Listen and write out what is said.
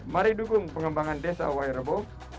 mari dukung pengembangan desa y rebo